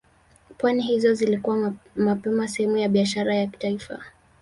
Pwani hizo zilikuwa mapema sehemu ya biashara ya kimataifa